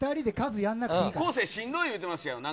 昴生、しんどい言うてますやん。